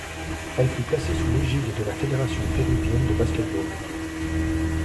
Elle est placée sous l'égide de la Fédération péruvienne de basket-ball.